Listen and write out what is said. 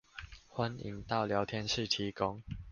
歡迎到聊天室提供